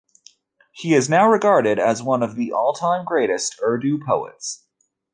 He is now regarded as one of the all-time great Urdu poets.